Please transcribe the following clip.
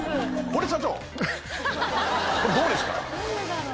これどうですか？